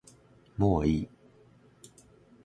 もういい